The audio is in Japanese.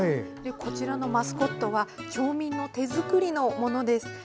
こちらのマスコットは町民の手作りのものです。